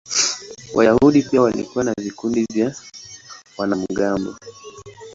Wayahudi pia walikuwa na vikundi vya wanamgambo.